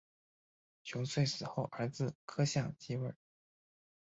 熊遂死后儿子柯相继位。